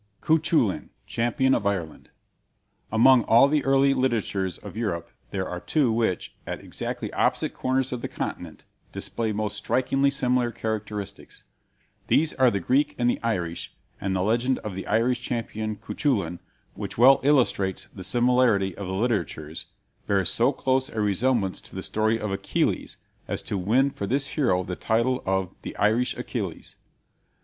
CUCHULAIN, CHAMPION OF IRELAND Among all the early literatures of Europe, there are two which, at exactly opposite corners of the continent, display most strikingly similar characteristics. These are the Greek and the Irish, and the legend of the Irish champion Cuchulain, which well illustrates the similarity of the literatures, bears so close a resemblance to the story of Achilles as to win for this hero the title of "the Irish Achilles."